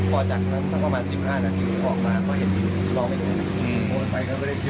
พอจากนั้นตั้งประมาณ๑๕อาทิตย์พอออกมาก็เห็นผิดลองไม่ได้